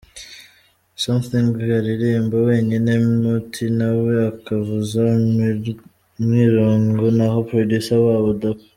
J’Something aririmba wenyine, Mo-T na we akavuza umwirongo naho Producer wabo Dr.